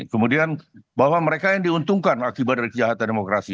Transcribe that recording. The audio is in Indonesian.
kemudian bahwa mereka yang diuntungkan akibat dari kejahatan demokrasi